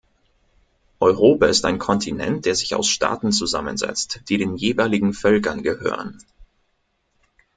Europa ist ein Kontinent, der sich aus Staaten zusammensetzt, die den jeweiligen Völkern gehören.